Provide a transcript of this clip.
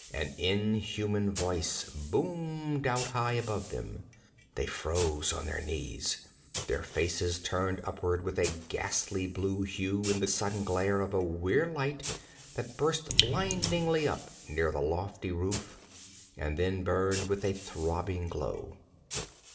An inhuman voice boomed out high above them. They froze on their knees, their faces turned upward with a ghastly blue hue in the sudden glare of a weird light that burst blindingly up near the lofty roof and then burned with a throbbing glow.